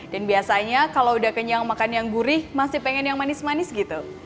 dan biasanya kalau udah kenyang makan yang gurih masih pengen yang manis manis gitu